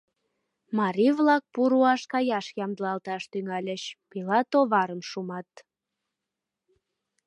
Марий-влак пу руаш каяш ямдылалташ тӱҥальыч, пила-товарым шумат.